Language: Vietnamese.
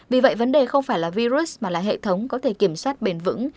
vì vậy vấn đề không phải là virus mà là hệ thống có thể kiểm soát bền vững